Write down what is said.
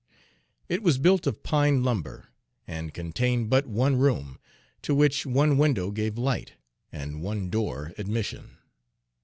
It was built of pine lumber, and contained but one room, to which one window gave light and one door admission.